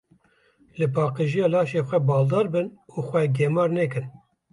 Li paqijiya laşê xwe baldar bin û xwe gemar nekin.